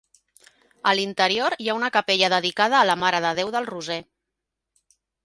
A l'interior hi ha una capella dedicada a la Mare de Déu del Roser.